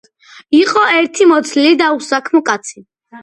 იყო ერთი მოცლილი და უსაქმო კაცი.